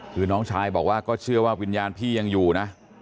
คือน้องชายบอกว่าก็เชื่อว่าวิญญาณพี่ยังอยู่นะ